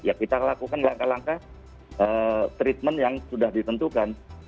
ya kita lakukan langkah langkah treatment yang sudah ditentukan